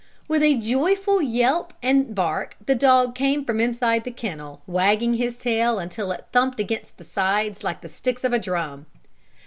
With a joyful yelp and bark the dog came from inside the kennel, wagging his tail until it thumped against the sides like the sticks of a drum.